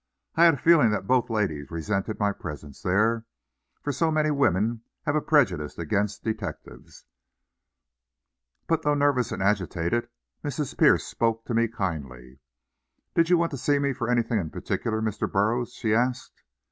I had a feeling that both ladies resented my presence there, for so many women have a prejudice against detectives. But though nervous and agitated, Mrs. Pierce spoke to me kindly. "Did you want to see me for anything in particular, Mr. Burroughs?" she asked.